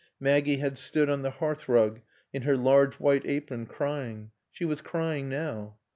Maggie had stood on the hearthrug, in her large white apron, crying. She was crying now.